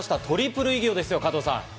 トリプル偉業ですよ、加藤さん。